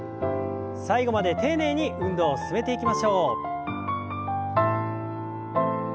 最後まで丁寧に運動を進めていきましょう。